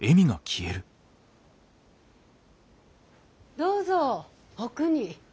・どうぞ奥に。